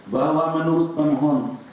bahwa menurut pemohon